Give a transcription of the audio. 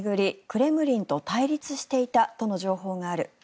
クレムリンと対立していたとの情報がある。